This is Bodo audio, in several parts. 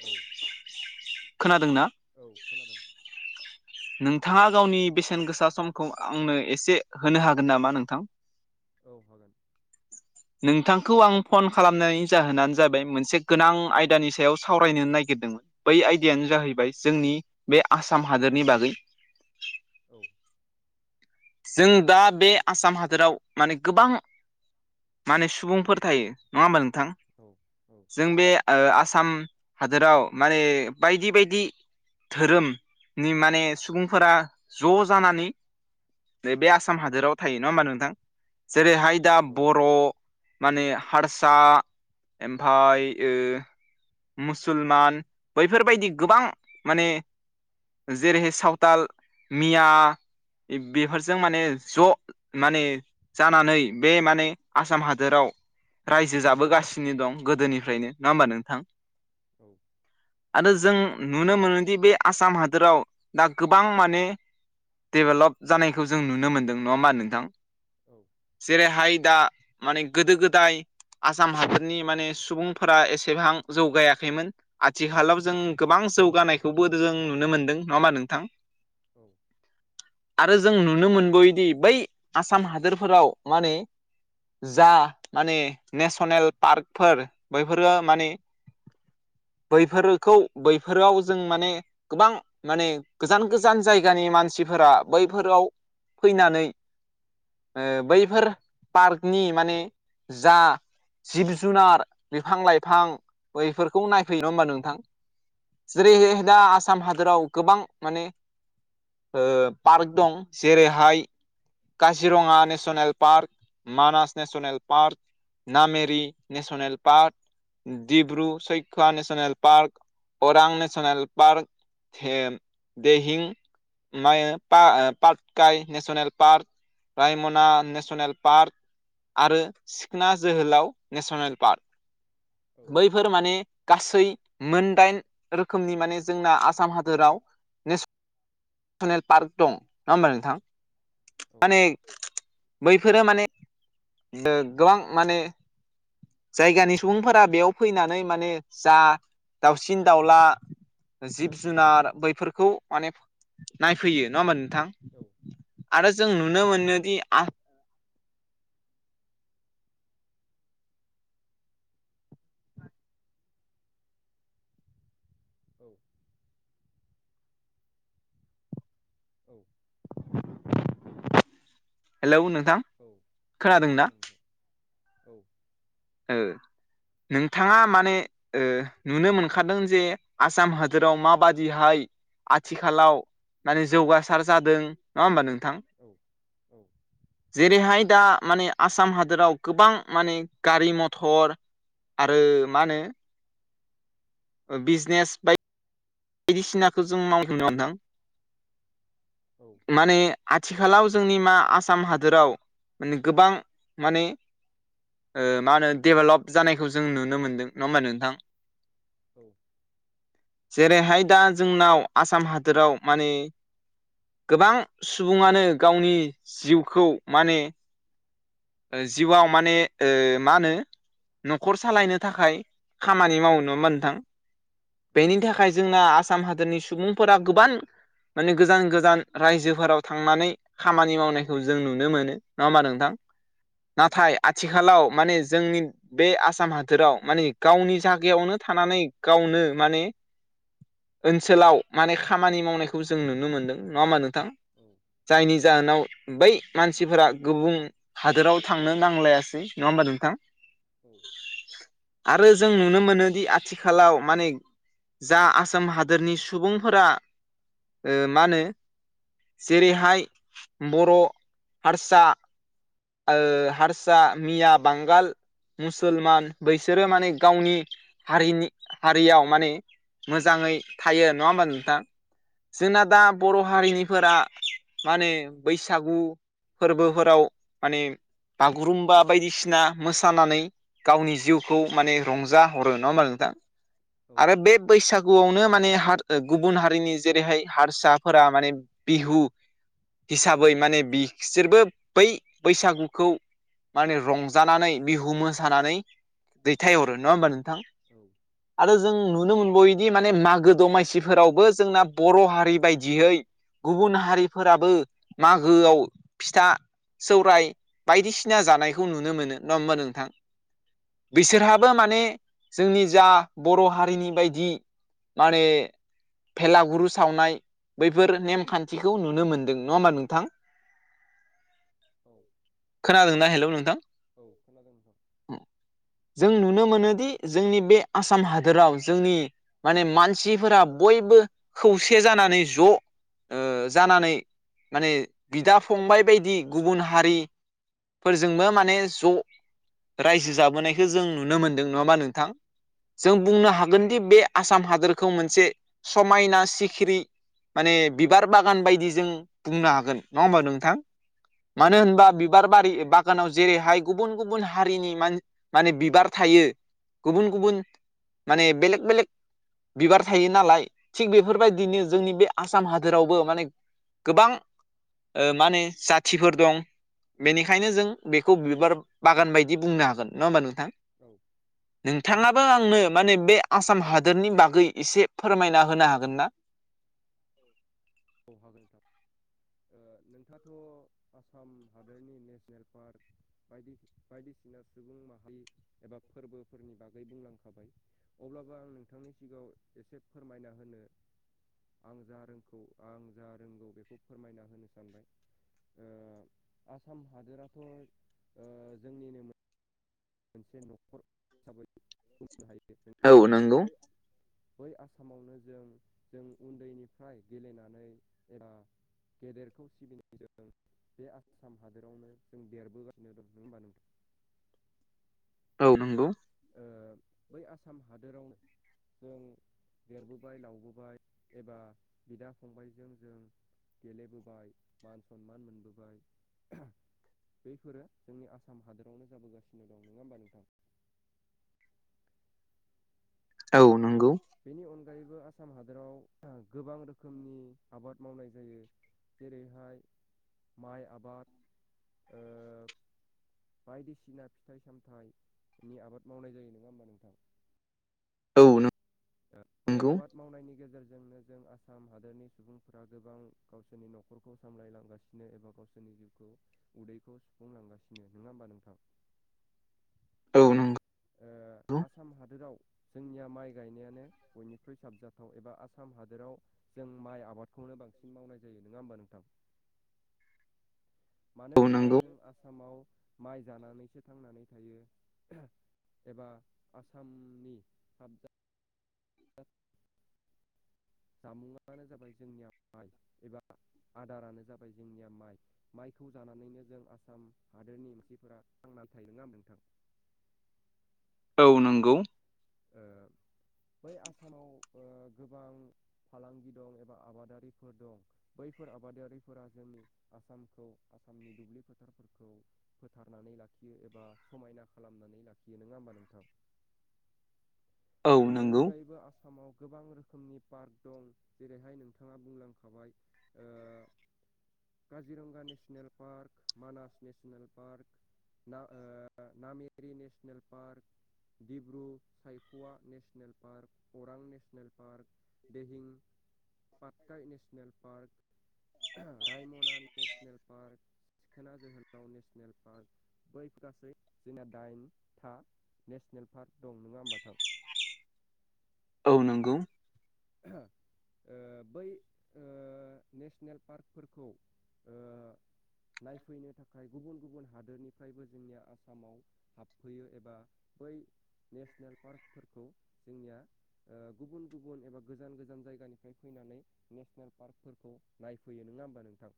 औ। खोनादोंना? औ खोनादों। नोंथाङा गावनि बेसेन गोसा समखौ आंनो एसे होनो हागोन नामा नोंथां? औ हागोन। नोंथांखौ आं फन खालामनायनि जाहोनानो जाबाय मोनसे गोनां आइदानि सायाव सावरायनो नागिरदोंमोन। बै आयदायानो जाहैबाय जोंनि बे आसाम हादोरनि बागै। औ। जों दा बे आसाम हादोराव माने गोबां माने सुबुंफोर थायो, नङा होमबा नोंथां? औ। औ जों बे ओ आसाम हादोराव माने बायदि बायदि धोरोमनि माने सुबुंफोरा ज' जानानै नै बे आसाम हादोराव थायो नङा होमबा नोंथां? जेरैहाय दा औ बर' माने हारसा ओमफ्राय ओ मुसलमान बैफोरबायदि गोबां माने जेरैहाय सावथाल, मिया बेफोरजों माने ज' माने जानानै बे माने आसाम हादोराव रायजो जाबोगासिनो दं गोदोनिफ्रायनो नङा होमबा नोंथां? औ। आरो जों नुनो मोनोदि बे आसाम हादोराव दा गोबां माने डेभेलप जानायखौ जों नुनो मोनदों नङा होमबा नोंथां? औ। जेरैहाय दा माने गोदो गोदाय आसाम हादरनि माने सुबुंफोरा एसेबां जौगायाखैमोन। आथिखालाव जों गोबां औ जौगानायखौबो जों नुनो मोनदों नङा होमबा नोंथां? औ। आरो जों नुनो मोनबोयोदि बै आसाम हादोरफोराव माने जा माने नेस'नेल पार्कफोर बैफोरो माने बैफोरखौ बैफोराव जों माने गोबां माने गोजान गोजान जायगानि मानसिफोरा बैफोराव फैनानै ओ बैफोर पार्कनि माने जा जिब जुनार बिफां लाइफां बैफोरखौ नायफैयो नङा होमबा नोंथां? जेरैहै दा आसाम हादोराव गोबां माने ओ पार्क दं जेरैहाय Kaziranga national park, Manas national park. Nameri national park. Dibru Saikhowa national park, Orang national park. हेम देहिं मायो पा ओ Patkai national park, Raimona national park. आरो सिखना जोहोलाव नेस'नेल पार्क, औ बै फोर माने गासै मोनदाइन रोखोमनि माने जोंना आसाम हादोराव नेस'नेल पार्क दं नङा होमबा नोंथां? माने बैफोरो माने ओ गोबां माने जायगानि सुबुंफोरा बेयाव फैनानै माने जा दाउसिन दाउला जिब जुनार बैफोरखौ माने नायफैयो नङा होमबा नोंथां? औ। आरो जों नुनो मोनोदि आ औ। औ‌। [inaudible] हेलौ नोंथां! औ औ खोनादोंना खोनादों नोंथां औ। ओ नोंथाङा माने ओ नुनो मोनखादों जे आसाम हादोराव माबादिहाय आथिखालाव माने जौगासार जादों नङा होमबा नोंथां? औ औ। जेरैहाय दा माने आसाम हादोराव गोबां माने गारि मथर आरो मा होनो ओ बिजनेस बाय बायदिसिनाखौ जों मावहैनो [unintelligible] दों औ माने आथिखालाव जोंनि मा आसाम हादोराव माने गोबां माने ओ मा होनो डेभेलप जानायखौ जों नुनो मोनदों नङा होमबा नोंथां? औ। जेरैहाय दा जोंनाव आसाम हादोराव माने गोबां सुबुङानो गावनि जिउखौ माने जिउआव माने ओ मा होनो न'खर सालायनो थाखाय खामानि मावो नङा होमबा नोंथां? बेनि थाखाय जोंना आसाम हादोरनि सुबुंफोरा गोबान माने गोजान गोजान रायजोफोराव थांनानै खामानि मावनायखौ जों नुनो मोनो नङा होनबा नोंथां? औ नाथाय आथिखालाव माने जोंनि बे आसाम हादोराव माने गावनि जागायावनो थानानै गावनो माने ओनसोलाव माने खामानि मावनायखौ जों नुनो मोनदों नङा होमबा नोंथां? औ। जायनि जाहोनाव बै मानसिफोरा गुबुं हादोराव थांनो नांलायासै नङा होमबा नोंथां? औ। आरो जों नुनो मोनोदि आथिखालाव माने जा आ आसाम हादोरनि सुबुंफोरा ओ मा होनो जेरैहाय बर' हारसा ओ हारसा, मिया, बांगाल मुसलमान बैसोरो माने गावनि हारिनि हारियाव माने मोजाङै थायो नङा होमबा नोंथां? जोंना दा बर' हारिनिफोरा मा होनो बैसागु फोरबोफोराव माने बागुरुम्बा बायदिसिना मोसानानै गावनि जिउखौ माने रंजाहरो नङा होनबा नोंथां आरो बे बैसागु आवनो माने हार गुबुन हारिनि जेरैहाय हारसाफोरा माने बिहु हिसाबै माने बिसोरबो बै बैसागुखौ माने रंजानानै बिहु मोसानानै दैथायहरो होमबा नोंथां? औ। आरो जों नुनो मोनबावो दि माने मागो दमासिफोरावबो जोंना बर' हारि बायदियै गुबुन हारिफोराबो मागोआव फिथा सौराय बायदिसिना जानायखौ नुनो मोनो नङा होमबा नोंथां? बिसोरहाबो माने जोंनि जा बर' हारिनि बायदि माने भेलागुर सावनाय बैफोर नेमखान्थिखौ नुनो मोन्दों नङा होमबा नोंथां? [inaudible] औ। खोनादोंना हेलौ नोंथां? औ खोनादों नोंथां। जों नुनो मोनोदि जोंनि बे आसाम हादोराव जोंनि माने मानसिफोरा बयबो खौसे जानानै ज' ओ जानानै माने बिदा फंबाय बायदि गुबुन हारि फोरजोंबो माने ज' रायजो जाबोनायखौ जों नुनो मोनदों नङा होनबा नोंथां? जों बुंनो हागोन दि औ औ बे आसाम हादोरखौ मोनसे समायना सिखिरि माने बिबार बागान बायदि जों बुंनो हागोन नङा होमबा नोंथां? मानो होनबा बे बिबार बारि बागानाव जेरैहाय गुबुन गुबुन हारिनि मा-माने बिबार थायो गुबुन गुबुन माने बेलेक बेलेक बिबार थायो नालाय थिग बेफोरबायदिनो जोंनि बे आसाम हादोरावबो माने गोबां ओ माने जाथिफोर दं। बेनिखायनो जों बेखौ बिबार बागान बायदि बुंनो हागोन। नङा होमबा नोंथां? औ। नोंथाङाबो आंनो माने बे आसाम हाद दोरनि बागै एसे फोरमायना होनो हागोन ना? औ हागोन नोंथां। ओ नोंथाथ' आसाम हादोरनि नेसनेल पार्क बायदि बायदिसिना सुबुं माहारि एबा फोरबोफोरनि बागै बुंलांखाबाय। अब्लाबो आं नोंथांनि सिगाङाव एसे फोरमायना होनो आं जा रोंखौ आं जा रोंगौ बेखौ फोरमायना होनो सानबाय। ओ आसाम हादोराथ' ओ जोंनिनो मोनसे न'खर हिसाबै बुंनो [unintelligible] औ नङा नंगौ नोंथां? बै आसामावनो जों जों उन्दैनिफ्राय गेलेनानै एबा गेदेरखौ सिबिनायजों बे आसाम हादोरावनो जों देरबोगासिनो दं नङा होनबा नोंथां? औ नंगौ। ओ बै आसाम हादोरावनो जों देरबोबाय लावबोबाय एबा बिदा फंबायजों जों गेलेबोबाय मान सनमान मोनबोबाय बैफोरो जोंनि आसाम हादोरावनो जाबोगासिनो दं नङा होमबा नोंथां? औ। नंगौ बेनि अनगायैबो आसाम हादोराव गोबां रोखोमनि आबाद मावनाय जायो। जेरैहाय माइ आबाद ओ बायदिसिना फिथाइ सामथाइनि आबाद मावनाय जायो नङा होमबा नोंथां? औ नों बै आबाद मावनायनि गेजेरजोंनो जों आसाम हादोरनि सुबुंफोरा गोबां गावसोरनि न'खरखौ सामलाय लांगासिनो एबा गावसोरनि जिउखौ उदैखौ सुफुंलांगासिनो नङा होमबा नोंथां? औ नोंगौ। ओ आसाम हादोराव जोंनिया माइ गायनायानो बयनिख्रुइ साबजाथाव एबा आसाम हादोराव जों माइ आबादखौनो बांसिन मावनाय जायो। नङा होमबा नोंथां? [inaudible] मानो होनबा जों आसामाव माइ जानानैसो थांनानै थायो। एबा आसामनि साबजा जामुङानो जाबाय जोंनिया माइ एबा आदारानो जाबाय जोंनिया माइ माइखौ जानानैनो जों आसाम हादोरनि मानसिफोरा थांनानै थायो नङा नोंथां? औ नंगौ। ओ बै आसामाव ओ गोबां फालांगि दं एबा आबादारिफोर दं बैफोर आबादारिफोरा जोंनि आसामखौ आसामनि दुब्लि फोथारफोरखौ फोथारनानै लाखियो एबा समायना खालामनानै लाखियो नङा होमबा नोंथां? औ बेनि नंगौ अनगायैबो आसाम सामाव गोबां रोखोमनि पार्क दं। जेरैहाय नोंथाङा बुंलांखाबाय ओ Kaziranga national park Manas national park ना ओ Nameri national park Dibru Saikhowa national park Orang national park Dihing Patkai national park Raimona national park Sikhna Jwhwlao national park बै गासै जोंना दाइनथा नेसनेल पार्क दं नङा होमबा नोंथां औ नंगौ ओ बै ओ नेसनेल पार्कफोरखौ ओ नायफैनो थाखाय गुबुन-गुबुन हादोरनिफ्रायबो जोंनिया आसामाव हाबफैयो एबा बै नेसनेल पार्कफोरखौ जोंनिया ओ गुबुन गुबुन एबा गोजान गोजान जायगानिफ्राय फैनानै नेसनेल पार्कफोरखौ नायफैयो नङा होमबा नोंथां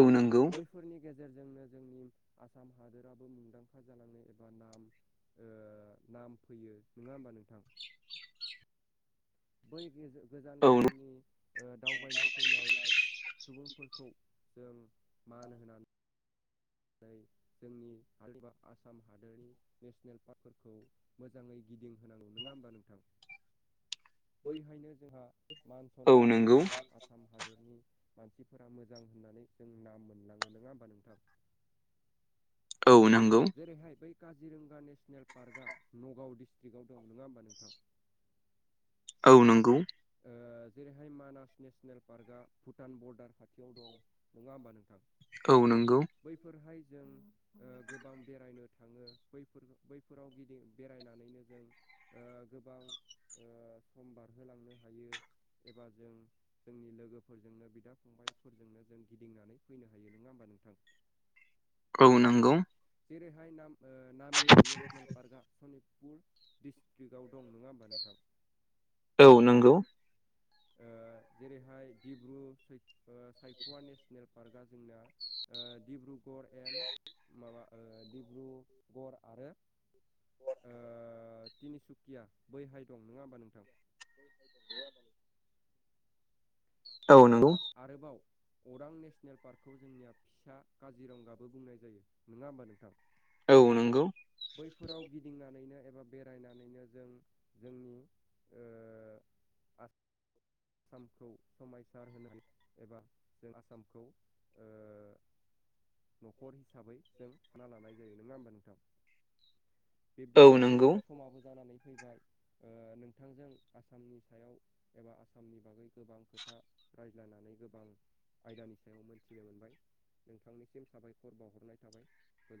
औ नंगौ बैफोरनि गेजेरजोंनो जोंनि आसाम हादोराबो मुंदांखा जालांनाय एबा नाम ओ नाम फैयो नङा होमबा नोंथां [inaudible] बै गोजान औ नंगौ गोजाननि। दावबायनो फैनाय सुबुंफोरखौ जों मान होनानै। नै जोंनि आसाम हादोरनि नेसनेल पार्कफोरखौ। मोजाङै गिदिं होनांगौ नङा होमबा नोंथां बैहायनो जोंहा। मान औ सनमान नंगौ मोनलाङो। आसाम हादोरनि मानसिफोरा मोजां होननानै जों नाम मोनलाङो नङा होमबा नोंथां। औ नंगौ। जेरैहाय बै काजिरंगा नेसनेल पार्कआ नगाव डिस्त्रिकआव दं नङा होमबा नोंथां। औ नंगौ। औ जेरैहाय मानास नेसनेल पार्कआ भुटान बरडार खाथियाव दं नङा होमबा नोंथां। औ नोंगौ। बैफोरहाय जों ओ गोबां बेरायनो थाङो बैफोराव गिदि बेरायनानैनो जों ओ गोबां ओ सम बारहोलांनो हायो। एबा जों जोंनि लोगोफोरजोंनो बिदा फंबायफोरजोंनो जों गिदिंनानै फैनो हायो नङा होमबा नोंथां। औ नंगौ। जेरैहाय ओ नामेरि नेसनेल पार्कआ शनितपुर डिस्ट्रिकआव दं नङा होमबा नोंथां। औ नंगौ। ओ जेरैहाय दिब्रु साय ओ सायख'वा नेसनेल पार्कआ जोंना ओ डिब्रुगर एण्ड माबा ओ डिब्रुगर आरो ओ तिनिसुकिया बैहाय दं, नङा होमबा नोंथां? जे आदानि ओ नंगौ आरोबाव अरां नेसनेल पार्कखौ जोंनिया फिसा काजिरंगाबो बुंनाय जायो, नङा होमबा नोंथां? औ नंगौ बैफोराव गिदिंनानैनो एबाब बेरायनानैनो जों जोंनि ओ आसामखौ समायसार होनो हायो एबा जों आसामखौ ओ न'खर हिसाबै जों थाना लानाय जायो नङा होमबा नोंथां? औ बिब्दिब्ला नंगौ जोंनिया स समाबो जानानै फैबाय। ओ नोंथांजों आसामनि सायाव एबा आसा आसामनि बागै गोबां खोथा रायज्लायनानै गोबां आयदानि सायाव मोनथिनो मोनबाय। नोंथांनिसिम साबायखर बावहरनाय थाबाय।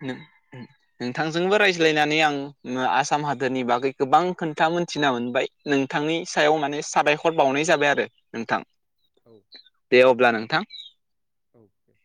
[unintelligible] नोंथांजोंबो रायज्लायनानै आं ओ आसाम हादोरनि बागै गोबां खोन्था मोनथिना मोनबाय। नोंथांनि सायाव माने साबायखर बावनाय जाबाय आरो नोंथां। औ दे अब्ला नोंथां औ दे।